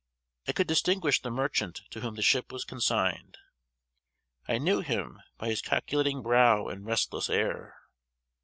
I could distinguish the merchant to whom the ship was consigned. I knew him by his calculating brow and restless air.